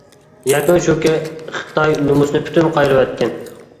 يەكۈن شۇكى، خىتاي نومۇسنى پۈتۈن قايرىۋەتكەن.